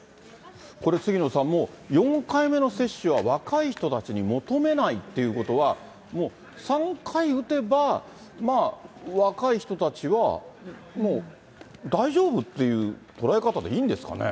これ杉野さん、もう４回目の接種は若い人たちに求めないっていうことは、３回打てば、まあ、若い人たちはもう大丈夫っていう捉え方でいいんですかね。